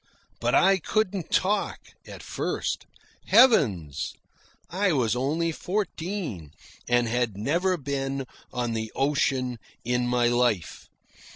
But I couldn't talk at first. Heavens! I was only fourteen, and had never been on the ocean in my life.